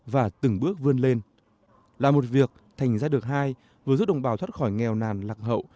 và từng bước vươn lên là một việc thành ra được hai vừa giúp đồng bào thoát khỏi nghèo nàn lạc hậu